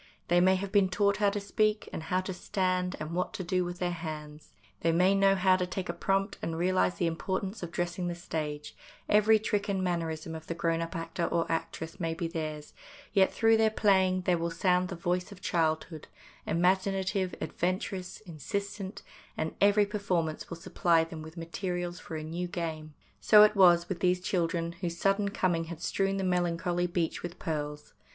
They may have been taught how to speak and how to stand, and what to do with their hands ; they may know how to take a STAGE CHILDREN 89 prompt, and realise the importance of dress ing the stage ; every trick and mannerism of the grown up actor or actress may be theirs ; yet, through their playing there will sound the voice of childhood, imaginative, adventurous, insistent, and every perform ance will supply them with materials for a new game. So it was with these children, whose sudden coming had strewn the melan choly beach with pearls.